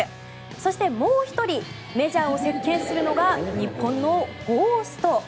そして、もう１人メジャーを席巻するのが日本のゴースト。